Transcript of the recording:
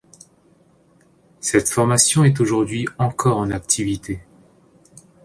Cette formation est aujourd'hui encore en activité.